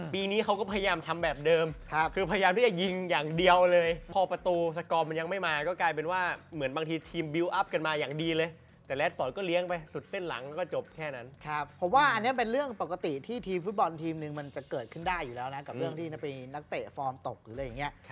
ทีมฟุตบอลทีมนึงมันจะเกิดขึ้นได้อยู่แล้วนะกับเรื่องที่นักเตะฟอร์มตกหรืออะไรอย่างเงี้ย